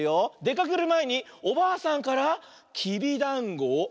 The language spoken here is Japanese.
かけるまえにおばあさんからきびだんごを。